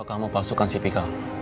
apa kamu pasukan cpk